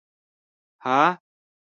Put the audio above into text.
_هه!